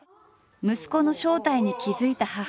息子の正体に気付いた母。